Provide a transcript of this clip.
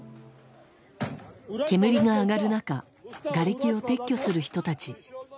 煙が上がる中がれきを撤去する人たち。